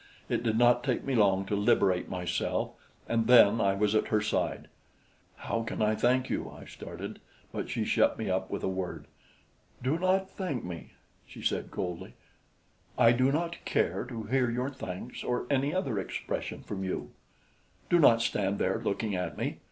It did not take me long to liberate myself, and then I was at her side. "How can I thank you?" I started; but she shut me up with a word. "Do not thank me," she said coldly. "I do not care to hear your thanks or any other expression from you. Do not stand there looking at me.